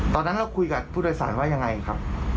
ตอนนั้นเราคุยกับผู้โดยสารว่ายังไงครับ